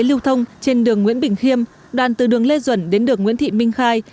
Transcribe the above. lưu thông trên đường nguyễn bình khiêm đoạn từ đường lê duẩn đến đường nguyễn thị minh khai